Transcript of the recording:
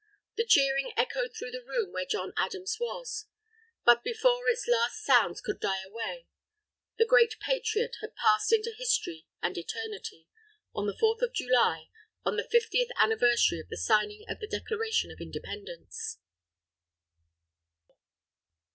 The cheering echoed through the room where John Adams was. But before its last sounds could die away, the great Patriot had passed into history and eternity on the Fourth of July, on the Fiftieth Anniversary of the Signing of the Declaration of Independence!